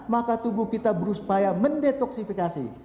maka tubuh kita berupaya mendetoksifikasi